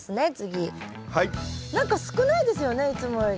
何か少ないですよねいつもより。